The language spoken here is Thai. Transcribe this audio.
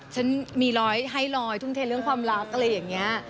ฉันมีร้อยให้ร้อยทุ่มเทเรื่องความรักอะไรอย่างนี้